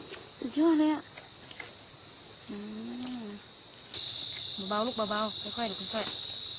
อันนี้อ่ะอืมบ่าบาวลูกบ่าบาวไม่ค่อยหรือไม่ค่อย